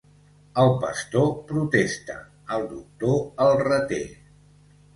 El pastor protesta, el doctor el reté.